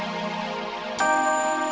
tunggu ya mak